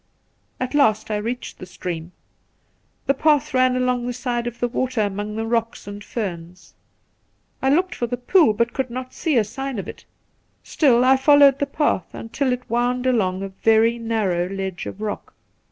At last I reached the stream. The path ran along the side of the water among the rocks and ferns. I looked for the pool, but could not see a sign of it. Still I followed the path until it wound along a very narrow ledge of rock.